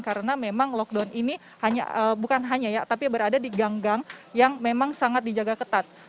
karena memang lockdown ini bukan hanya ya tapi berada di gang gang yang memang sangat dijaga ketat